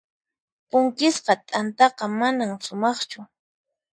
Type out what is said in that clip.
Punkisqa t'antaqa manan sumaqchu.